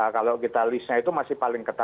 kalau kita list nya itu masih paling ketat